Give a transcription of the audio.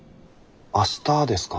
明日ですか？